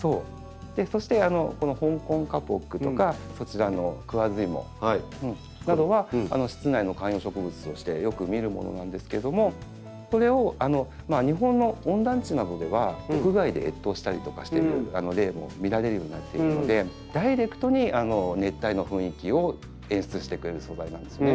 そして「ホンコンカポック」とかそちらの「クワズイモ」などは室内の観葉植物としてよく見るものなんですけどもこれを日本の温暖地などでは屋外で越冬したりとかしてる例も見られるようになっているのでダイレクトに熱帯の雰囲気を演出してくれる素材なんですよね。